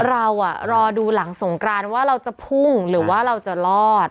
รอดูหลังสงกรานว่าเราจะพุ่งหรือว่าเราจะรอด